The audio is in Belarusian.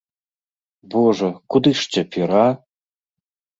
Божа, куды ж цяпер, а?!